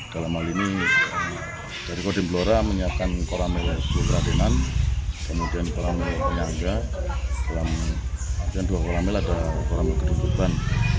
dalam hal ini dari kodim blora menyiapkan kolam lsd kradenan kemudian kolam penyangga dan dua kolam l ada kolam kedutupan